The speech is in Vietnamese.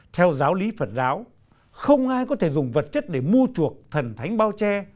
theo giáo lý phật giáo không ai có thể dùng vật chất để mua chuộc thần thánh bao che